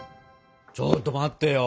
ちょっと待ってよ。